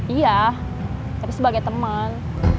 iya tapi sebagai teman